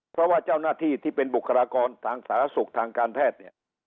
เพราะว่าเจ้าหน้าที่ที่เป็นบุคลากรทางสาธารณสุขทางการแพทย์เนี่ย